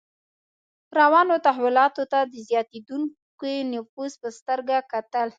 روانو تحولاتو ته د زیاتېدونکي نفوذ په سترګه کتل.